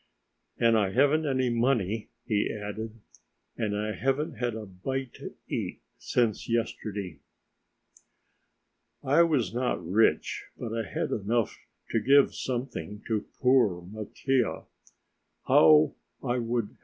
"And I haven't any money," he added, "and I haven't had a bite to eat since yesterday." I was not rich, but I had enough to give something to poor Mattia.